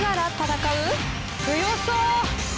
強そう。